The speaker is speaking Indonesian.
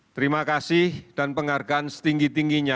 terima kasih dan penghargaan setinggi tingginya